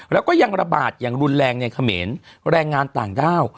แล้วก็ยังระบาดอย่างรุนแรงในเขมรแรงงานต่างด้าว